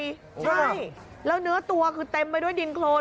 ใช่แล้วเนื้อตัวคือเต็มไปด้วยดินโครน